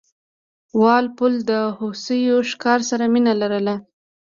وال پول د هوسیو ښکار سره مینه لرله.